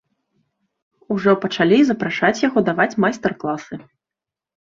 Ужо пачалі і запрашаць яго даваць майстар-класы.